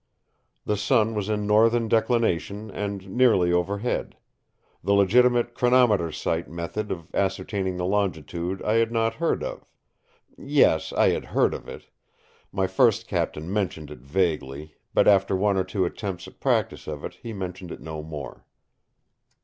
The sun was in northern declination and nearly overhead. The legitimate "chronometer sight" method of ascertaining the longitude I had not heard of—yes, I had heard of it. My first captain mentioned it vaguely, but after one or two attempts at practice of it he mentioned it no more.